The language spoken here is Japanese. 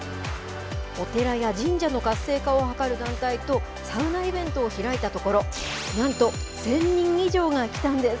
お寺や神社の活性化を図る団体と、サウナイベントを開いたところ、なんと１０００人以上が来たんです。